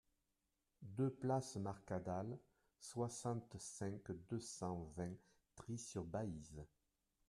deux place Marcadale, soixante-cinq, deux cent vingt, Trie-sur-Baïse